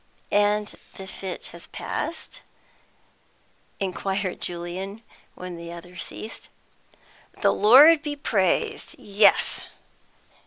"And the fit has passed?" inquired Julian when the other ceased. "The Lord be praised; yes!"